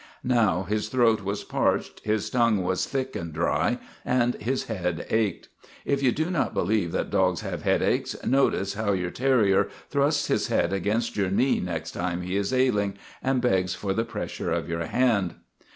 Now his throat was parched, his tongue was thick and dry, and his head ached. If you do not believe that dogs have headaches, notice how your terrier thrusts his head against your knee next time he is ailing, and begs for the pressure of your hand.